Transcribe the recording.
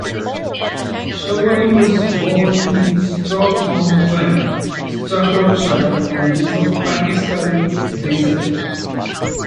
Sherwani was born in Stoke-on-Trent, Staffordshire, and is of Pakistani descent.